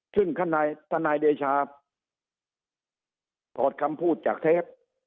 ซึ่งทนายเดชาถอดคำพูดจากเทป